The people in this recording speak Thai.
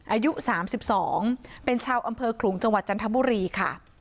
อายุ๓๒เป็นชาวอำเภอขลุงจังหวัดจันทบุรีค่ะ